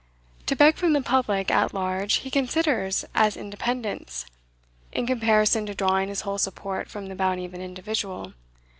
To beg from the public at large he considers as independence, in comparison to drawing his whole support from the bounty of an individual.